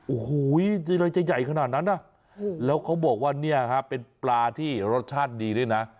โอ้โหจะใหญ่ขนาดนั้นน่ะแล้วเค้าบอกว่าเป็นปลาที่รสชาติดีด้วยนะ